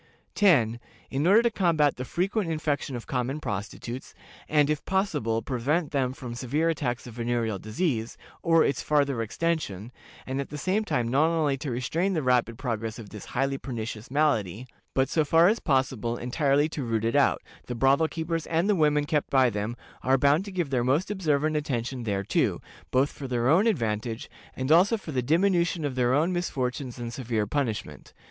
"10. In order to combat the frequent infection of common prostitutes, and, if possible, prevent them from severe attacks of venereal disease, or its farther extension, and at the same time not only to restrain the rapid progress of this highly pernicious malady, but, so far as possible, entirely to root it out, the brothel keepers and the women kept by them are bound to give their most observant attention thereto, both for their own advantage, and also for the diminution of their own misfortunes and severe punishment.